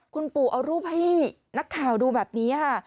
คุณปู่เอารูปให้นักข่าวดูแบบนี้ค่ะ